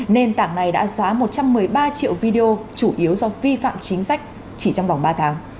nền tảng này đã xóa một trăm một mươi ba triệu video chủ yếu do vi phạm chính sách chỉ trong vòng ba tháng